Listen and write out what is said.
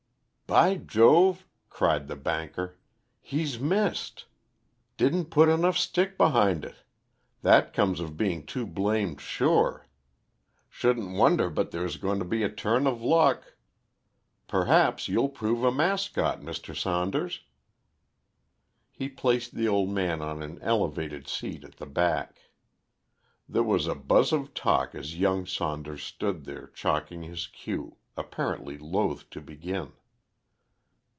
"By Jove!" cried the banker, "he's missed. Didn't put enough stick behind it. That comes of being too blamed sure. Shouldn't wonder but there is going to be a turn of luck. Perhaps you'll prove a mascot, Mr. Saunders." He placed the old man on an elevated seat at the back. There was a buzz of talk as young Saunders stood there chalking his cue, apparently loth to begin.